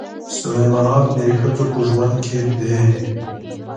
سلیمان غر د ښځو په ژوند کې دي.